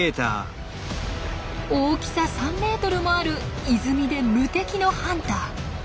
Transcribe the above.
大きさ３メートルもある泉で無敵のハンター。